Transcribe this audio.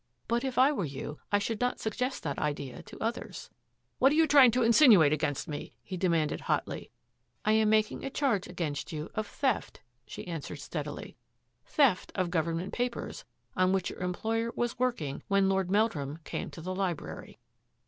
" But if I were you I should not suggest that idea to others." " What are you trying to insinuate against me? " he demanded hotly. " I am making a charge against you of theft," she answered steadily, " theft of the government papers on which your employer was working when Lord Meldrum came to the library.'